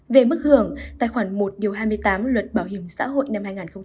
về mức hưởng tài khoản một hai mươi tám luật bảo hiểm xã hội năm hai nghìn một mươi bốn